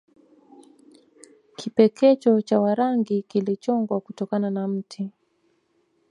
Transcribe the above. Kipekecho cha Warangi kilichongwa kutokana na mti